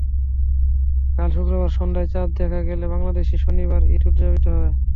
কাল শুক্রবার সন্ধ্যায় চাঁদ দেখা গেলে বাংলাদেশে শনিবার ঈদ উদযাপিত হবে।